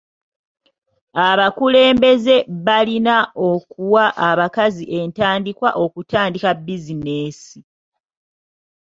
Abakulembeze balina okuwa abakazi entandikwa okutandika bizinesi.